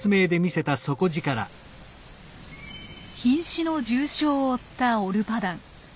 瀕死の重傷を負ったオルパダン。